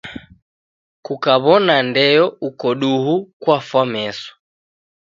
Kukaw'ona ndeyo uko duhu kwafwa meso.